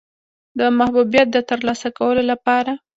د محبوبیت د ترلاسه کولو لپاره.